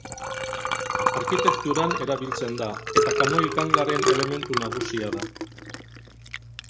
Arkitekturan erabiltzen da, eta Kanoi-gangaren elementu nagusia da.